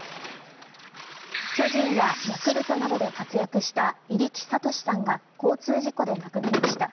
巨人やヤクルトなどで活躍した入来智さんが交通事故で亡くなりました。